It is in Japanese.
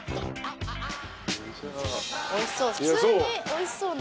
おいしそう。